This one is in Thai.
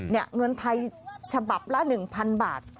เงินไทยฉบับละ๑๐๐๐บาท